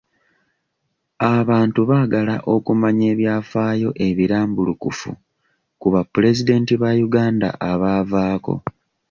Abantu baagala okumanya ebyafaayo ebirambulukufu ku bapulezidenti ba Uganda abaavaako.